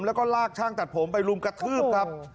แล้วก็ลากช่างตัดผมไปรุมกระทืบครับ